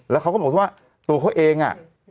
แล้วเค้าก็บอกว่าตัวเค้าเองอ่ะ